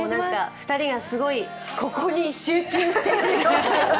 ２人がすごいここに集中してる。